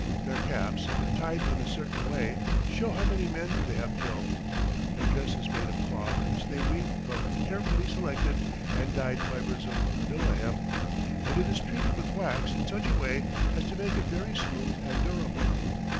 Their caps, if tied in a certain way, show how many men they have killed. Their dress is made of cloth which they weave from carefully selected and dyed fibers of Manila hemp, and it is treated with wax in such a way as to make it very smooth and durable.